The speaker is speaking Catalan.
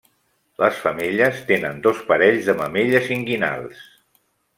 Les femelles tenen dos parells de mamelles inguinals.